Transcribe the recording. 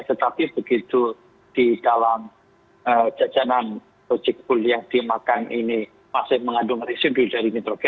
tetapi begitu di dalam jajanan ojekbul yang dimakan ini masih mengandung residu dari nitrogen